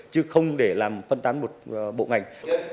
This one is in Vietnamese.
chứ không để làm phân tán một bộ ngành